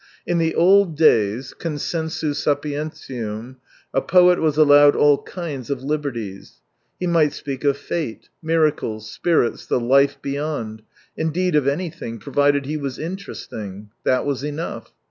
In the old days, consensu sapifntium, a poet was allowed all kinds of liberties : he might speak of fate, miracles, spirits, the life beyond — indeed of anything, provided he was interesting. That was enough.